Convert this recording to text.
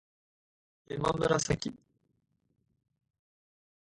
やまむらさき